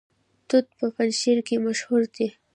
توت په پنجشیر کې مشهور دي